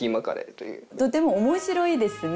とても面白いですね。